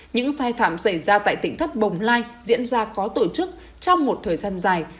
những sai phạm xảy ra tại tỉnh thất bồng lai diễn ra có tổ chức trong một thời gian dài